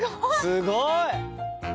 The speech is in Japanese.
すごい！